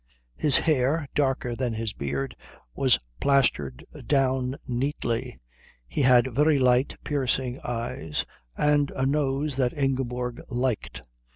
His hair, darker than his beard, was plastered down neatly. He had very light, piercing eyes, and a nose that Ingeborg liked.